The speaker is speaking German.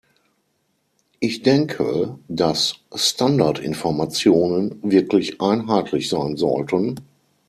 Ich denke, dass Standardinformationen wirklich einheitlich sein sollten.